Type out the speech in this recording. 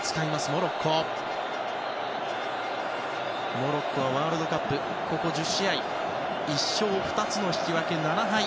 モロッコはワールドカップここ１０試合１勝、２つの引き分け、７敗。